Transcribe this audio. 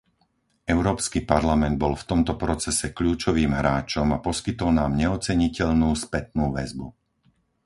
Európsky parlament bol v tomto procese kľúčovým hráčom a poskytol nám neoceniteľnú spätnú väzbu.